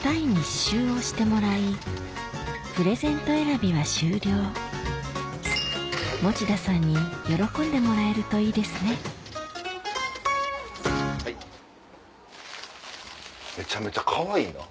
プレゼント選びは終了持田さんに喜んでもらえるといいですねめちゃめちゃかわいいな。